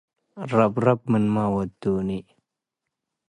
ረብረብ ምንመ ወዱኒ